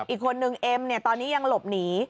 อีกคนนึงเอ็มเนี่ยตอนนี้ยังหลบหนี